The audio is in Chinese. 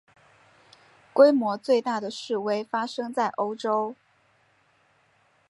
规模最大的示威发生在欧洲。